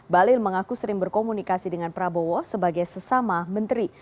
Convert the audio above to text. balil mengaku sering berkomunikasi dengan prabowo sebagai sesama menteri